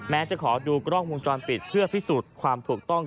จะขอดูกล้องวงจรปิดเพื่อพิสูจน์ความถูกต้อง